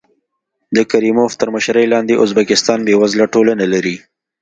د کریموف تر مشرۍ لاندې ازبکستان بېوزله ټولنه لري.